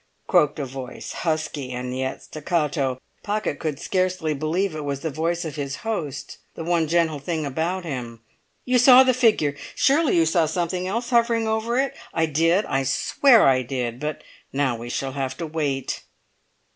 croaked a voice, husky and yet staccato. Pocket could scarcely believe it was the voice of his host—the one gentle thing about him. "You saw the figure? Surely you saw something else, hovering over it? I did, I swear I did! But now we shall have to wait."